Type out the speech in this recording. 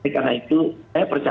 karena itu saya percaya